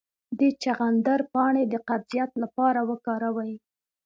د چغندر پاڼې د قبضیت لپاره وکاروئ